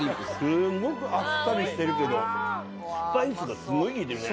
すごくあっさりしてるけどスパイスがすごいきいてるね。